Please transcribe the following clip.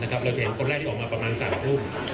เราจะเห็นคนแรกที่ออกมาประมาณ๓ทุ่ม